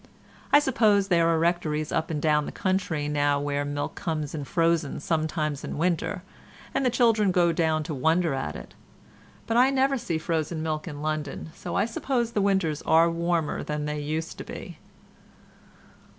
I suppose there are rectories up and down the country now where the milk comes in frozen sometimes in winter, and the children go down to wonder at it, but I never see any frozen milk in London, so I suppose the winters are warmer than they used to be.